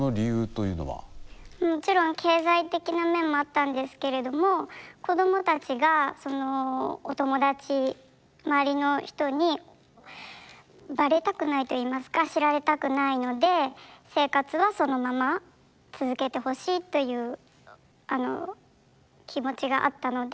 もちろん経済的な面もあったんですけれども子供たちがそのお友達周りの人にバレたくないといいますか知られたくないので生活はそのまま続けてほしいという気持ちがあったので。